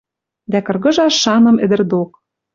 Дӓ кыргыжаш шаным ӹдӹр док...